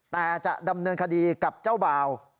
แต่จะดำเนินคดีกับเจ้าบ่าว